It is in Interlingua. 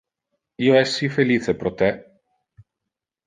Io es si felice pro te.